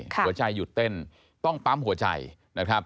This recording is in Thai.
หัวใจหยุดเต้นต้องปั๊มหัวใจนะครับ